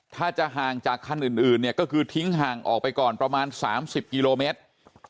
ถ้าจะห่างจากคันอื่นเนี่ยก็คือทิ้งห่างออกไปก่อนประมาณ๓๐กิโลเมตร